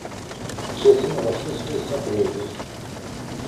Kkaten ɣef tutlayt taqbaylit.